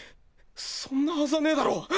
そんなはずはねえだろう。